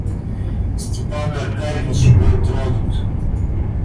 Степан Аркадьич был тронут.